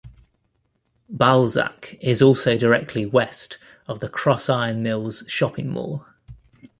Balzac is also directly west of the Crossiron Mills shopping mall.